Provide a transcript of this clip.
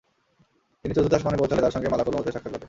তিনি চতুর্থ আসমানে পৌঁছলে তার সঙ্গে মালাকুল মউতের সাক্ষাত ঘটে।